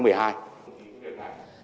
thứ trưởng nguyễn đức chi cho biết